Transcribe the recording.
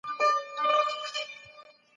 څوک د بې کوره خلګو سره مرسته کوي؟